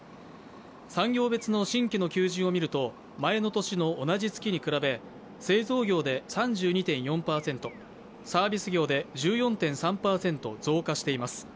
産業別の新規の求人を見ると、前の年の同じ月と比べ製造業で３２．４％、サービス業で１４．３％増加しています。